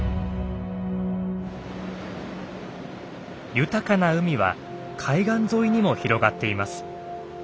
豊かな海は海岸沿いにも広がっています。